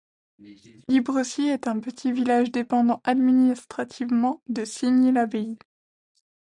Librecy est un petit village dépendant administrativement de Signy-l'Abbaye.